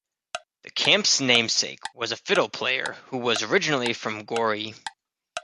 The camp's namesake was a fiddle player who was originally from Goree.